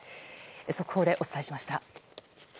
速報でお伝えしました。